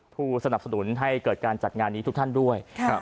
ผู้สนับสนุนให้เกิดการจัดงานนี้ทุกท่านด้วย